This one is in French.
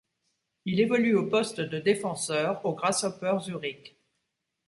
Il évolue au poste de défenseur au Grasshopper Zurich.